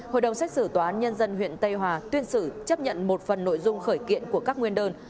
hội đồng xét xử tòa án nhân dân huyện tây hòa tuyên xử chấp nhận một phần nội dung khởi kiện của các nguyên đơn